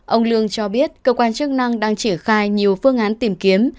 ông lương cho biết cơ quan chức năng đang triển khai nhiều phương án tìm kiếm